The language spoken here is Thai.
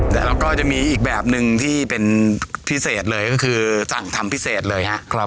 แล้วก็จะมีอีกแบบหนึ่งที่เป็นพิเศษเลยก็คือสั่งทำพิเศษเลยครับ